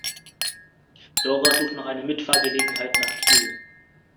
Dora sucht noch eine Mitfahrgelegenheit nach Kiel.